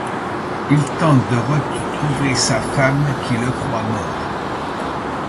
Il tente de retrouver sa femme qui le croit mort.